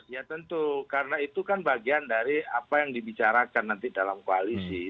ya tentu karena itu kan bagian dari apa yang dibicarakan nanti dalam koalisi